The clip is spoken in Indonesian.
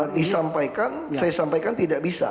disampaikan saya sampaikan tidak bisa